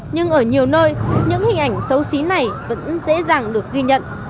nhưng ở nhiều nơi những hình ảnh xấu xí này vẫn dễ dàng được ghi nhận